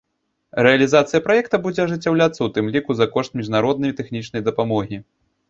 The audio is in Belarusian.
Рэалізацыя праекта будзе ажыццяўляцца ў тым ліку за кошт міжнароднай тэхнічнай дапамогі.